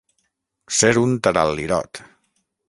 Ser un taral·lirot.